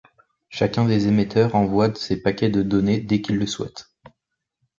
Chacun des émetteurs envoie ses paquets de données dès qu'il le souhaite.